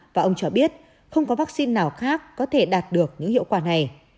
và ông cho biết không có vắc xin nào khác có thể đạt được những hiệu quả này